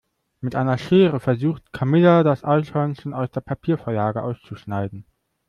Mit einer Schere versucht Camilla das Eichhörnchen aus der Papiervorlage auszuschneiden.